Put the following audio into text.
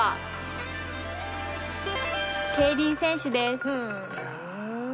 競輪選手です。